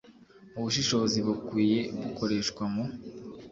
Ubushishozi bukwiye bukoreshwa mu